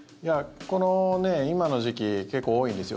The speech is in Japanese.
この今の時期結構多いんですよ。